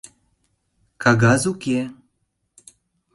Кагаз уке.